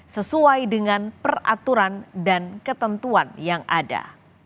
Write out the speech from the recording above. sesuai dengan peraturan dan ketentuan yang ada